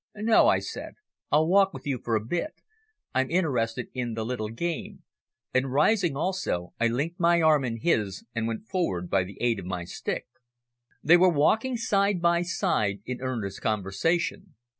"No," I said. "I'll walk with you for a bit. I'm interested in the little game," and, rising also, I linked my arm in his and went forward by the aid of my stick. They were walking side by side in earnest conversation.